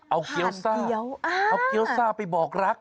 เอาเกี้ยวซ่าเกี้ยวเอาเกี้ยวซ่าไปบอกรัก